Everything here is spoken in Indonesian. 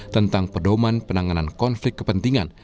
tentang pedoman penanganan konflik kepentingan